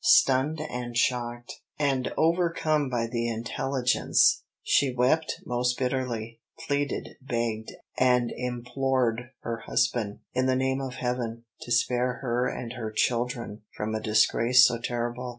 Stunned and shocked, and overcome by the intelligence, she wept most bitterly, pleaded, begged, and implored her husband, in the name of Heaven, to spare her and her children from a disgrace so terrible.